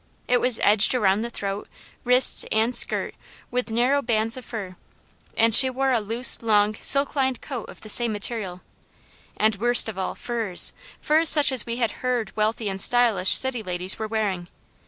It was edged around the throat, wrists, and skirt with narrow bands of fur, and she wore a loose, long, silk lined coat of the same material, and worst of all, furs furs such as we had heard wealthy and stylish city ladies were wearing.